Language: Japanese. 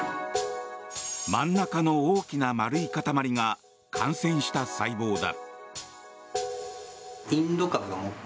真ん中の大きな丸い塊が感染した細胞だ。